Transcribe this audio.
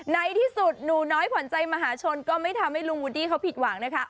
ในที่สุดหนูน้อยขวัญใจมหาชนก็ไม่ทำให้ลุงวูดดี้เขาผิดหวังนะคะ